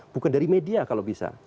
bukan dari media kalau bisa